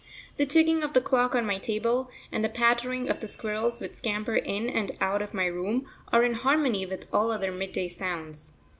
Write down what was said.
The ticking of the clock on my table, and the pattering of the squirrels which scamper in and out of my room, are in harmony with all other midday sounds.